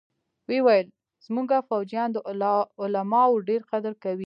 ويې ويل زمونګه فوجيان د علماوو ډېر قدر کوي.